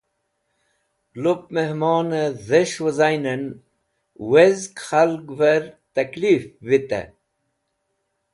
Lup Mehmone Dhes̃h Wizanen , Wezg Khalgver taleef Vitey